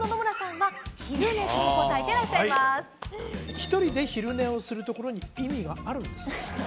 １人で昼寝をするところに意味はあるんですか？